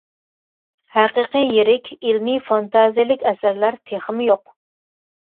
ھەقىقىي يىرىك ئىلمىي فانتازىيەلىك ئەسەرلەر تېخىمۇ يوق.